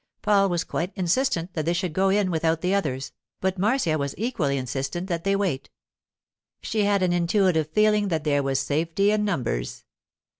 Paul was quite insistent that they should go in without the others, but Marcia was equally insistent that they wait. She had an intuitive feeling that there was safety in numbers.